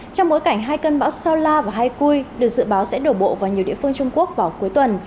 trong bối cảnh hai cơn bão sao la và hai cui được dự báo sẽ đổ bộ vào nhiều địa phương trung quốc vào cuối tuần